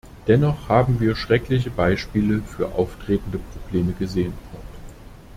Dennoch haben wir schreckliche Beispiele für auftretende Probleme gesehen.